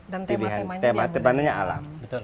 dan tema temanya alam